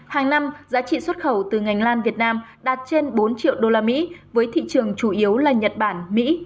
hàng năm giá trị xuất khẩu từ ngành lan việt nam đạt trên bốn triệu usd với thị trường chủ yếu là nhật bản mỹ